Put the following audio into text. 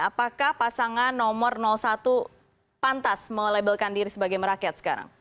apakah pasangan nomor satu pantas melabelkan diri sebagai merakyat sekarang